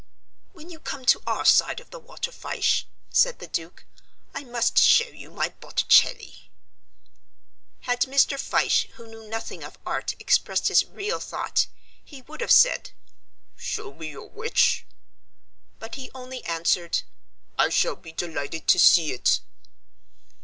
"When you come to our side of the water, Fyshe," said the Duke, "I must show you my Botticelli." Had Mr. Fyshe, who knew nothing of art, expressed his real thought, he would have said, "Show me your which?" But he only answered, "I shall be delighted to see it."